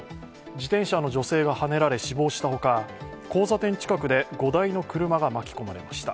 自転車の女性がはねられ死亡したほか、交差点近くで５台の車が巻き込まれました。